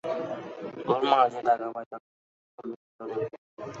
ওর মা যে টাকা পায় তাতে সতীশের চলবে কী করে।